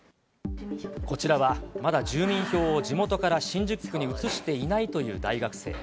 こちらは、まだ住民票を地元から新宿区に移していないという大学生。